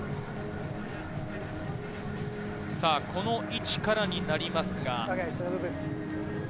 この位置からになりますが。